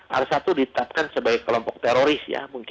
arsa itu ditetapkan sebagai kelompok teroris